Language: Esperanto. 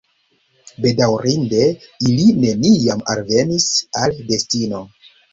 Bedaŭrinde, ili neniam alvenis al destino.